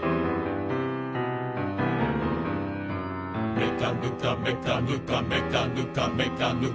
「めかぬかめかぬかめかぬかめかぬか」